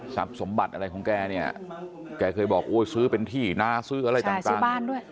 สำบัดอะไรของแกแกเคยบอกโอ๊ยซื้อเป็นที่ซื้ออะไรต่าง